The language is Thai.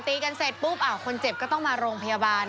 ตีกันเสร็จปุ๊บคนเจ็บก็ต้องมาโรงพยาบาล